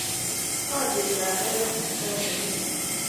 alyet ab peek kotesetai koregu